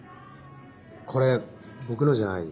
これ僕のじゃない。